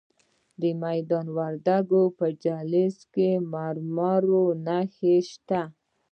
د میدان وردګو په جلریز کې د مرمرو نښې شته.